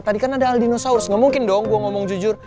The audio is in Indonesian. tadi kan ada aldino saurus gak mungkin dong gue ngomong jujur